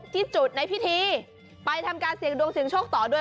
ที่จุดในพิธีไปทำการเสียงดวงเสียงโชคต่อด้วย